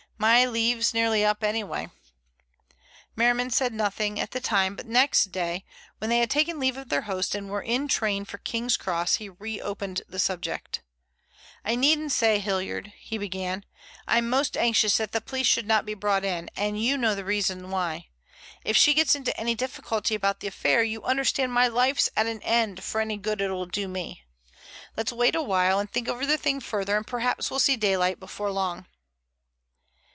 My leave's nearly up anyway." Merriman said nothing at the time, but next day, when they had taken leave of their host and were in train for King's Cross, he reopened the subject. "I needn't say, Hilliard," he began, "I'm most anxious that the police should not be brought in, and you know the reason why. If she gets into any difficulty about the affair, you understand my life's at an end for any good it'll do me. Let's wait a while and think over the thing further, and perhaps we'll see daylight before long."